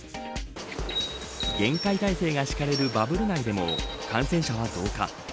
厳戒態勢が敷かれるバブル内でも感染者は増加。